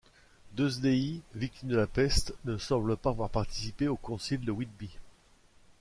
Deusdedit, victime de la peste, ne semble pas avoir participé au concile de Whitby.